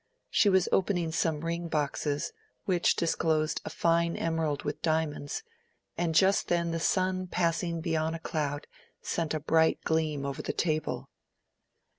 She was opening some ring boxes, which disclosed a fine emerald with diamonds, and just then the sun passing beyond a cloud sent a bright gleam over the table.